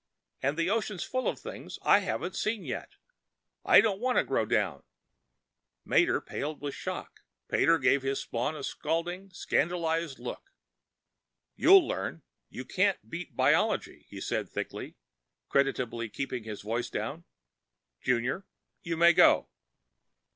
And the ocean's full of things I haven't seen yet. I don't want to grow down!" Mater paled with shock. Pater gave his spawn a scalding, scandalized look. "You'll learn! You can't beat Biology," he said thickly, creditably keeping his voice down. "Junior, you may go!"